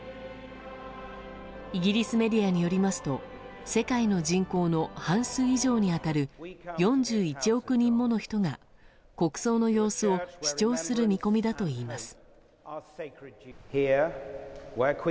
イギリスメディアによりますと世界の人口の半数以上に当たる４１億人もの人が国葬の様子を視聴する見込みだといいます。